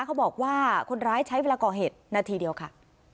เขาบอกว่าคนร้ายใช้เวลาก่อเหตุนาทีเดียวค่ะ